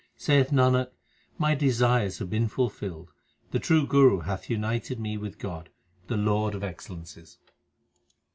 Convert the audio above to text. Saith Nanak, my desires have been fulfilled. The true Guru hath united me with God, the Lord of excellences.